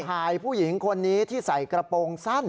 ผู้หญิงคนนี้ที่ใส่กระโปรงสั้น